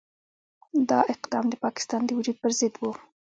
دا اقدام د پاکستان د وجود پرضد وو.